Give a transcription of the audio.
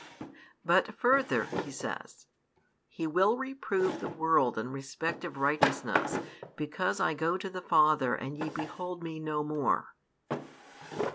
But further, He says: He will reprove the world in respect of righteousness, because I go to the Father and ye behold Me no more.